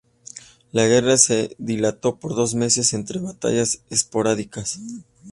La guerra se dilató por dos meses entre batallas esporádicas.